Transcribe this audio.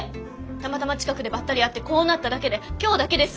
たまたま近くでばったり会ってこうなっただけで今日だけです。